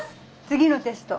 次のテスト。